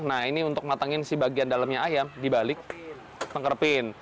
nah ini untuk matangin bagian dalamnya ayam dibalik tengkerepin